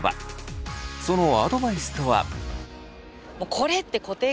そのアドバイスとは。